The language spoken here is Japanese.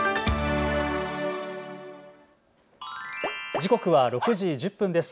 時刻は６時１０分です。